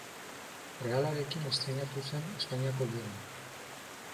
Realarekin estreinatu zen Espainiako Ligan.